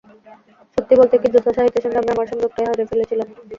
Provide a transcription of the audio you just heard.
সত্যি বলতে কী, জোসা সাহিত্যের সঙ্গে আমি আমার সংযোগটাই হারিয়ে ফেলেছিলাম।